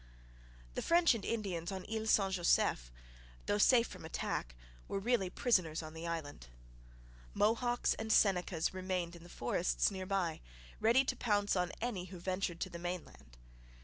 The French and Indians on Isle St Joseph, though safe from attack, were really prisoners on the island. Mohawks and Senecas remained in the forests near by, ready to pounce on any who ventured to the mainland.